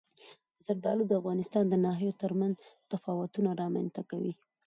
زردالو د افغانستان د ناحیو ترمنځ تفاوتونه رامنځته کوي.